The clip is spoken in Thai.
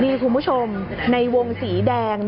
นี่คุณผู้ชมในวงสีแดง